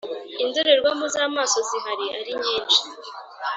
indorerwamo z’ amaso zihari arinyishi.